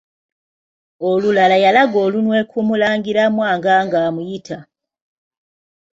Olulala yalaga olunwe ku Mulangira Mwanga ng'amuyita.